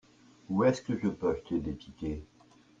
Où est-ce que je peux acheter des tickets ?